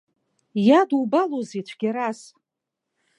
Иадубалозеи цәгьарас!